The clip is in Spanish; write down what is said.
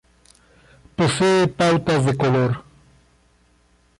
Posee pautas de color.